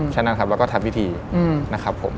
ใช่นะครับแล้วก็ทับวิธีนะครับผม